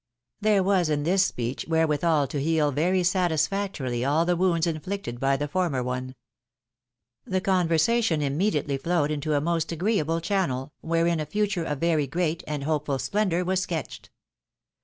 There was in this speech wherewithal to heal very satisfac torily aU the wounds inflicted by the former one. The conver sation immediately flowed into a most agreeable channel, wherein a future of very great and hopeful splendour was sketched.